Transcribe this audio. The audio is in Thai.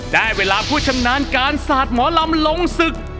ได้เวลาผู้ชำนาญการศาสตร์หมอลำลงศึก